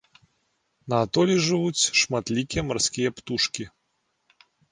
На атоле жывуць шматлікія марскія птушкі.